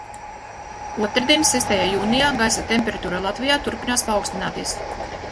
Otrdien, sestajā jūnijā, gaisa temperatūra Latvijā turpinās paaugstināties.